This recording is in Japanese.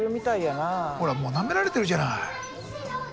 ほらもうなめられてるじゃない。